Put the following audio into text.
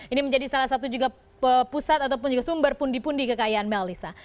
ini menjadi salah satu juga pusat ataupun juga sumber pundi pundi kekayaan melissa